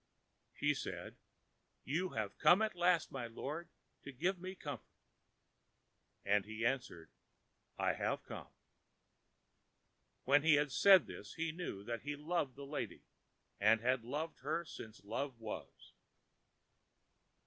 She said, ãYou have come at last, my lord, to give me comfort.ã And he answered, ãI have come.ã When he had said this he knew that he loved the lady, and had loved her since love was.